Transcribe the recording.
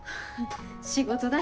仕事だし。